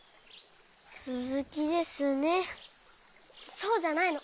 そうじゃないの。